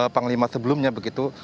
panglima sebelumnya begitu